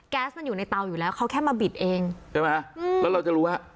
แก๊สมันอยู่ในเตาอยู่แล้วเขาแค่มาบิดเองใช่ไหมอืมแล้วเราจะรู้ว่า